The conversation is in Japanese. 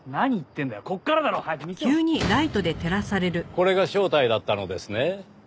これが正体だったのですね。